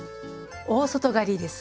「大外刈」です。